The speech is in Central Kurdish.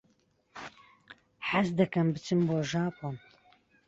حەز دەکەم بچم بۆ ژاپۆن.